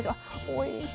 おいしい。